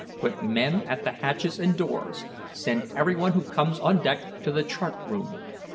"Put men at the hatches and doors. Send every one who comes on deck to the chart room.